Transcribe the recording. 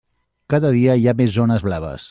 Cada dia hi ha més zones blaves.